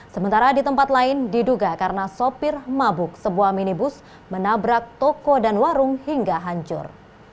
sementara di tempat lain diduga karena sopir mabuk sebuah minibus menabrak toko dan warung hingga hancur